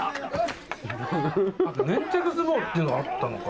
・粘着相撲っていうのがあったのか。